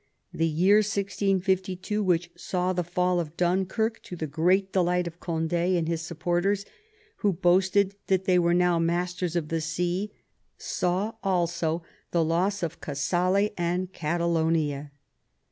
The year 1662, which saw the fall of Dunkirk, to the great delight of Cond^ and his supporters, who boasted that they were now masters of the sea, saw also the loss of Casale and Catalonia.